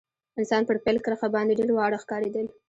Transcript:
اسان پر پیل کرښه باندي ډېر واړه ښکارېدل.